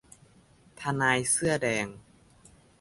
ทนายเสื้อแดง